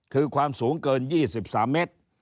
คือความสูงเกิน๒๓เมตร